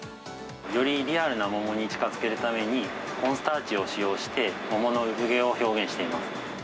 よりリアルな桃に近づけるために、コーンスターチを使用して、桃の産毛を表現しています。